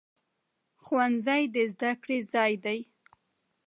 ښوونځی د زده کړې ځای دی